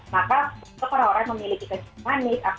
maka untuk orang orang yang memiliki kecing manis apalagi mengonsumsi obat ya